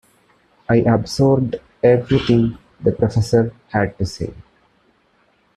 I absorbed everything the professor had to say.